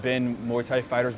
pemain muay thai sebelumnya